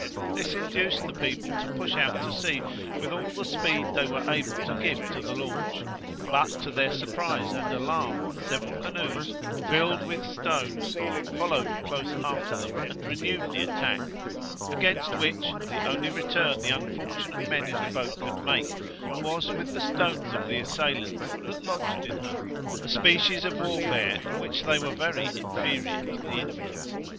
This induced the people to push out to sea with all the speed they were able to give to the launch, but to their surprise and alarm, several canoes, filled with stones, followed close after them and renewed the attack; against which, the only return the unfortunate men in the boat could make, was with the stones of the assailants that lodged in her, a species of warfare in which they were very inferior to the Indians.